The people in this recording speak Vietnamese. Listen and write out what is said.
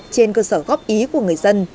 trên cơ sở góp ý của người dân